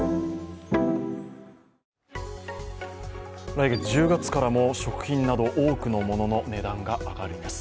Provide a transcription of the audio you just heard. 来月１０月からも、食品など多くのものの値段が上がります。